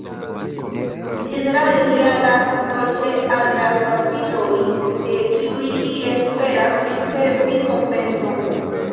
Ĝenerale, li agas dolĉe al la kaptitoj, de kiuj li esperas ricevi kompenson.